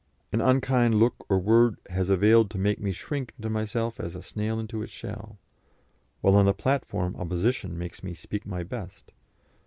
An unkind look or word has availed to make me shrink into myself as a snail into its shell, while on the platform opposition makes me speak my best.